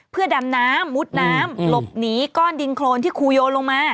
เพื่อดำน้ำมุดน้ำหลบหนีก้อนดินโครนที่ครูโยนลงมา